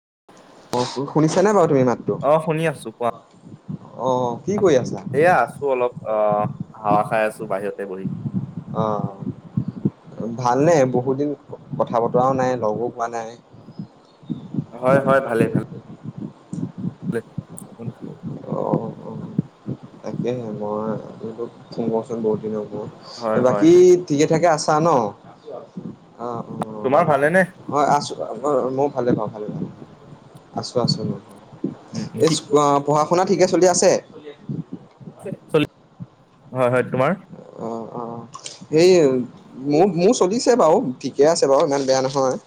[inaudible] [inaudible] অ শুনিছা নে বাৰু তুমি মাতটো অ শুনি আছো কোৱা অ কি কৰি আছা এয়া আছো অলপ আহ হাৱা খাই আছো বাহিৰতে বহি অ ভালনে বহুত দিন কথা বতৰাও নাই লগো পোৱা নাই হয় হয় ভালেই ভালে হয় অ অ তাকেহে মই আপোনোকো চি মচন বৰ্ড হয় হয় বাকী ঠিকে ঠাকে আছা ন জ অ অ তোমাৰ ভালেনে মই আছো মই ভালে পাওঁ ভালে ভাল আছো আছো ম উম ৰিচিপ কৰ ক। আপোনাৰ ঠিকে চলি আছে। চলি আছে আছে চলি হয় হয় তোমাৰ অ অ সেই মোৰ মোৰ চলিছে বাৰু ঠিকে আছে বাৰু ইমান বেয়া নহয়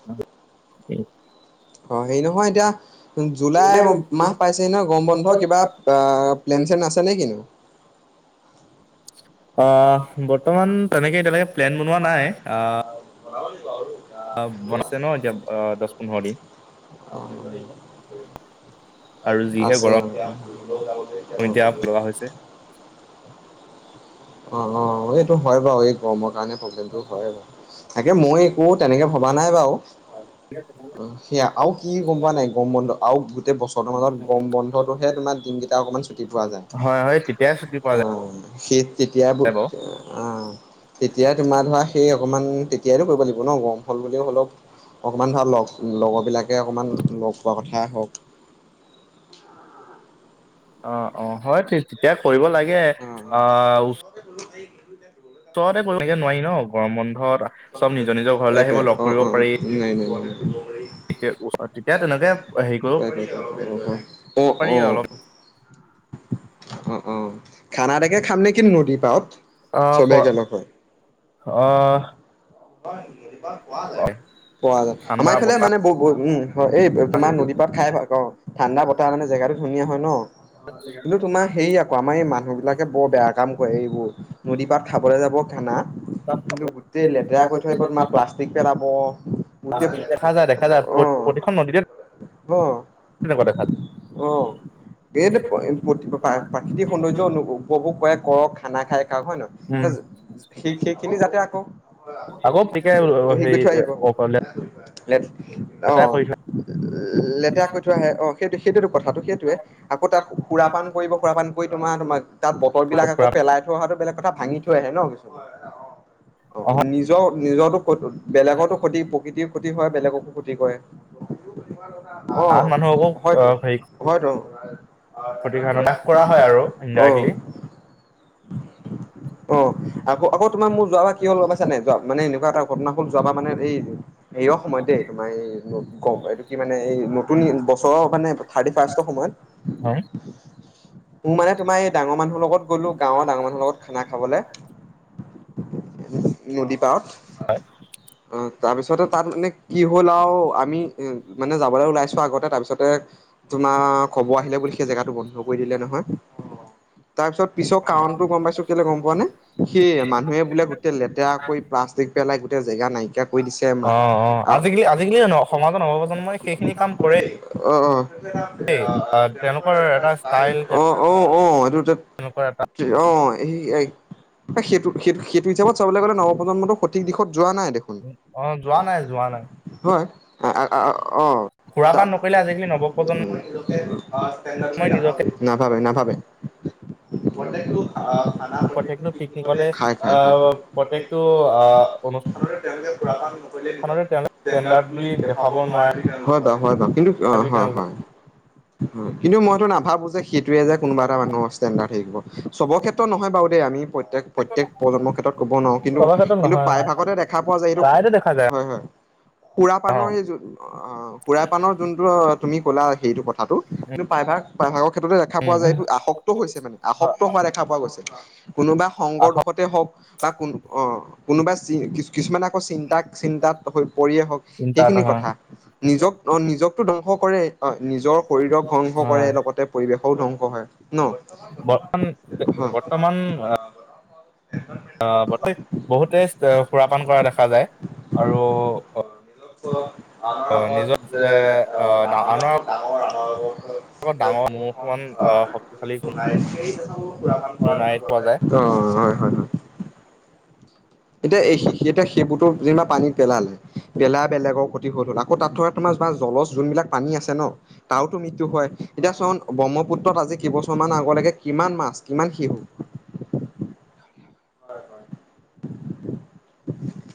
অ হেই নহয় এতিয়া জুলাই মাহ পাইছেহি নহয় গৰম বন্ধ কিবা প্লেন চেন আছেনে কিনো [unintelligible] অ বৰ্তমান তেনেকে এতিয়ালেকে প্লেন বনোৱা নাই আ বনাব লাগিব আৰু অ বনাইছে ন এতিয়া দহ পোন্ধৰ দিন আৰু যিহে আছে গৰম অ এতিয়া লগা হৈছে অ অ এইটো হয় বাও এই গৰমৰ কাৰনে প্ৰব্লেমটো হয় বাৰু তাকে মই একো তেনেকে ভবা নাই বাৰু অ সেয়া আৰু কি গম পোৱা নাই গম বন্ধ আৰু গোটেই বছৰটোৰ মাজত গম বন্ধটোহে তোমাৰ দিনকেইটা অকমান ছুটি পোৱা যায় হয় হয় তেতিয়াই ছুটি পোৱা অ সে তেতিয়াই যায় বাৰু অ তেতিয়াই তোমাৰ ধৰা সেই অকমান তিয়াইটো কৰিব লাগিব ন গৰম হ'ল বুলি অলপ অকমান ভাল লগ লগত বিলাকে অকণমান লগ পোৱা কথাই হওক অ অ হয় তেতিয়া কৰিব লাগে তে অ চৰতে কৈ এতিয়া নোৱাৰি ন গৰম বন্ধত চব নিজৰ নিজৰ ঘৰলে আহিব, লগ কৰিব পাৰি। তেতিয়া তেনেকে হেৰি কৰিব উ [inaudible] অ, পাৰি অ। অলপ অ', অ', খানা এটাকে খাম নে কি নদী পাৰত অ চবে একেলগ হৈ? বঙে [inaudible] পোৱা অ যায়। পোৱা যায়। ঠাণ্ডা আমাৰ ইফালে বতাহ মানে ব বহুত উম হয়। এই তোমাৰ নদী পাত খাই ভাল ক ঠাণ্ডা বতাহ মানে জেগাতো ধুনীয়া হয়। হয় ন? কিন্তু তোমাৰ হেৰি আকৌ আমাৰ এই মান মানুহবিলাকে বৰ বেয়া কাম কৰে এইবোৰ। নদী পাৰত খাবলৈ যাব খানা। গোটেই লেতেৰা কৰি থৈ আহিব। তোমাৰ প্লাষ্টিক পেলাব গোটেই দেখা যায় দেখা যায় আহ প্ৰতিখন নদীতে আহ তেনেকুৱা দেখা যায় আহ এই প্ৰাকৃতিক সৌন্দৰ্য উপভোগ কৰে কৰক। খানা খাই খাওক। হয় নে উম নহয় সিক সেইখিনি যাতে আকৌ আকৌ গতিকে সেই কৈ হেৰি থৈ আহিব। লেত অ লেতেৰা কৰি থয় লেতেৰা কৈ থৈ আহে, অ। সেইটোৱে সেইটোৱেই তো। কথাটো সেইটোৱে। আকৌ তাত সুৰা পান কৰিব, সুৰাপান কৰি মাৰ তোমাৰ তাত বটল বিলাক আকৌ পেলাই থোৱাটো বেলেগ কথা ভাঙি থৈ আহে ন কিছু অঁ অঁ অ অঁম, নিজৰ নিজৰ টো সৈতো। বেলেগৰ টো প্ৰতি প্ৰকৃতিৰ ক্ষতি হয়। বেলেগকো ক্ষতি কৰে। আন মানুহ আকৌ অঁ হেৰি হয় ক্ষতি সাধন নাশ কৰা হয় আৰু। ইনদাইৰেকলি। [unintelligible] অ, আকৌ আক তোমাৰ মোৰ যোৱা বা কি হল গম পাইছা নে নাই? যোৱা মানে এনেকুৱা এটা ঘটনাখন যোৱা বাৰ মানে সেই এইয় সময় দেই তোমাৰ এই গপ এইটো কি মানে এই [unintelligible] থাৰ্টি ফাৰ্ষ্ট সময়ত। উম, মানে। তোমাৰ এই ডাঙৰ মানুহ লগত গলো গাঁৱৰ ডাঙৰ মানহৰ লগত খানা খাবলে। [inaudible] নদী পাৰত। হয়। অ তাৰপিছতে তাত মানে কি হল আৰু আমি মানে যাবলৈ ওলাইছো আগতে তাৰপিছতে তোমাৰ কব আহিলে বুলি সেই জেগাটো বন্ধ কৰি দিলে নহয়। তাৰ পিছত পিছৰ কাৰণটো গম পাইছো কেলে গম পোৱা নে সেই মানুহে বোলে গোটেই লেতেৰা কৰি প্লাষ্টিক পেলাই গোটেই যেগা নাইকিয়া কৰি দিছে অ অ আজিকালি আজিকালি সমাজৰ নৱপ্ৰজন্মই সেইখিনি কাম কৰে তেওঁলোকৰ এটা ষ্টাইল [unintelligible] অহ -অহ [unintelligible] [unintelligible] তেওঁলোকৰ এটা এই -এই সেইটো- সেইটো -সেইটো হিচাপত। চাবলৈ গলে নৱপ্ৰজন্মটো সঠিক দিশত যোৱা নাই দেখোন যোৱা নাই -যোৱা নাই হয়। [unintelligible] সুৰা পান নকৰিলে আজিকালি নৱপ্ৰজন্ম অহ, তে [unintelligible] হয় নাভাবে প্ৰজেক্টো [unintelligible] প্ৰত্যেকটো পিকনিকতে অহ প্ৰত্যয়েকটো আহ অনুষ [inaudible] ষ্ঠানৰে তেওঁলোকে তেণ্ডাৰ্ড বুলি দেখাব ভাবে। কিন্তু অঁ নোৱাৰে হয় হয় হয় [unintelligible] কিন্তু মইতো নাভাবো যে সেইটোৱে যে কোনোবা এটা মানুহৰ ইচতেনদাৰ [unintelligible] চবৰ ক্ষেত্ৰত নহয় বাৰু। কে আমি প্ৰত্যেক -প্ৰত্যেক প্ৰজন্মৰ ক্ষেত্ৰত ক'ব নোৱাৰো কিন্তু চবৰ ক্ষেত্ৰত -কিন্তু নহয় প্ৰায়ভাগতে দেখা পোৱা যায় [unintelligible] এইটো প্ৰায়তো দেখা যায় হয়- হয়। সুৰা অ পানৰ [unintelligible] সুৰা পানৰ যোনটো তুমি কলা সেইটো কথাটো। কিন্তু প্ৰায়ভাগ- প্ৰায়ভাগক ক্ষেত্ৰতে দেখা উম পোৱা যায় এইটো আসক্ত হৈছে মানে হয় আসক্ত হোৱা দেখা পোৱা গৈছে। কোনোবা সংগৰ আহক দুখতে হওক বা কোনো অহ কোনোবা যি কিছুমানে আক চিন্তাক চিন্তাত হৈ পৰিয়ে হওক চিন্তা সেইখিনি নহয় কথা নিজক অহ নিজকতো উপ কৰে হয় অ নিজৰ শৰীৰক সংস কৰে হয় লগতে। ঘৰু ধ্বংস হয় ন বৰ্তমান হয় বৰ্তমান অ বহুতে সুৰা পান কৰা দেখা যায় আৰু অ অ নিজৰ এ আহ আ আৰু ত ডাঙৰ মো অকমান অ শক্তিশালী এই কোনো নাই পোৱা যায় দেখা অ হয় হয় হয় এতিয়া এইখিন। যেতিয়া সেইবোৰতৰ যেনিবা পানীত পেলালে পেলাই বেলেগৰ ক্ষতি হৈ থল আকৌ তাত তোমাৰছ বা জল যোনবিলাক পানী আছে ন তাৰোতো মৃত্যু হয় এতিয়া চন ব্ৰহ্মপুত্ৰত আজি কেইবছৰমানান আগলৈকে কিমান মাছ কিমান শিহু। হয় হয়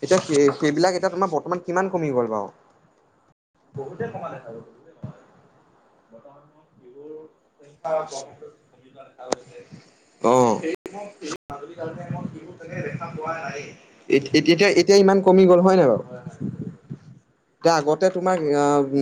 এতিয়া সেইবিলাক এতিয়া তোমাৰ বৰ্তমান কিমান কমি গ'ল বাৰু বহুতে কমালে। অ এতিয়া এতিয়া ইমান কমি গ'ল হয় নাই বাৰু এতিয়া আগতে তোমাৰ আহ।